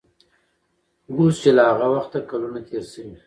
اوس چې له هغه وخته کلونه تېر شوي